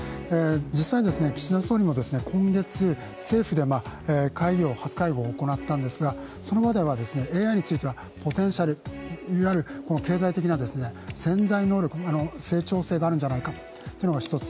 実際に岸田総理も今月、政府で初会合を行ったんですがその場ではＡＩについてはポテンシャル、いわゆる経済的な潜在能力、成長性があるんじゃないかというのが一つ。